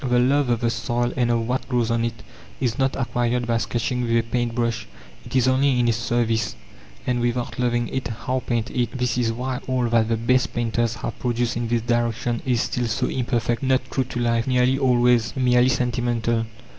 The love of the soil and of what grows on it is not acquired by sketching with a paint brush it is only in its service; and without loving it, how paint it? This is why all that the best painters have produced in this direction is still so imperfect, not true to life, nearly always merely sentimental.